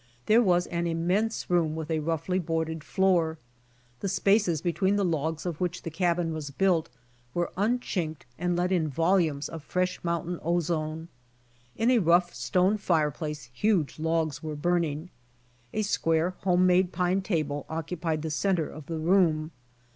There was an immense room with a roughly boarded floor. The spaces between the logs of which the cabin was built were unchinked and let in volumes of fresh mountain ozone WELCOMED BY LUMBERMEN 129 In a rough stone fire place huge logs were burning. A square home made pine table occupied the center of the room.